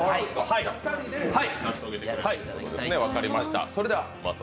２人で成し遂げていただくということですね。